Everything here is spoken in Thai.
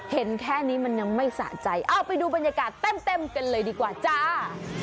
เห็นแค่นี้มันยังไม่สะใจเอาไปดูบรรยากาศเต็มกันเลยดีกว่าจ้า